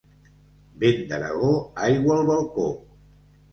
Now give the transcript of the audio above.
Vent d'Aragó, aigua al balcó.